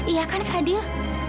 iya kan fadil